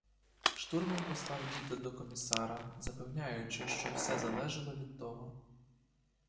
Штурман послав діда до комісара, запевняючи, що все залежало від того.